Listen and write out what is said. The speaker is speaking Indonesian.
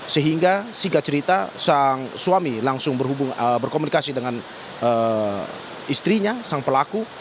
sehingga sigat cerita sang suami langsung berkomunikasi dengan istrinya sang pelaku